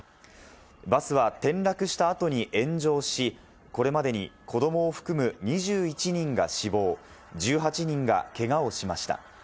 バスは転落した後に炎上し、これまでに子どもを含む２１人が死亡、１８人がけがをしました。